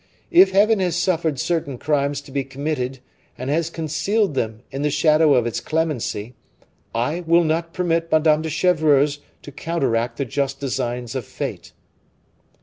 If Heaven has suffered certain crimes to be committed, and has concealed them in the shadow of its clemency, I will not permit Madame de Chevreuse to counteract the just designs of fate."